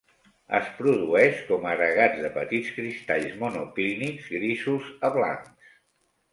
Es produeix com agregats de petits cristalls monoclínics grisos a blancs.